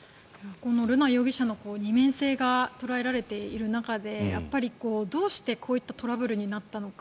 この瑠奈容疑者の二面性が捉えられている中でどうしてこういったトラブルになったのか。